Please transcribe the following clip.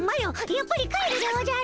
やっぱり帰るでおじゃる。